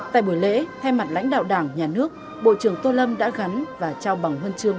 tại buổi lễ thay mặt lãnh đạo đảng nhà nước bộ trưởng tô lâm đã gắn và trao bằng huân trường